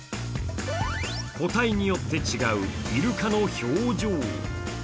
個体によって違うイルカの表情。